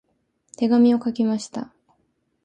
手紙を書きました。